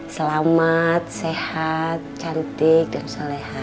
selamat sehat cantik dan sehat